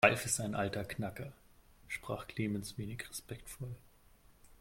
Ralf ist ein alter Knacker, sprach Clemens wenig respektvoll.